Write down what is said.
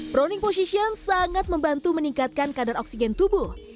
proning position sangat membantu meningkatkan kadar oksigen tubuh